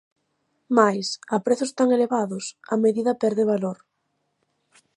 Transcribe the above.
Mais, a prezos tan elevados, a medida perde valor.